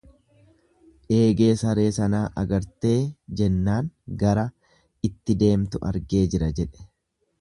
Eegee saree sanaa agartee? Jennaan gara itti deemtu argee jiraa jedhe.